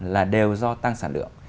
là đều do tăng sản lượng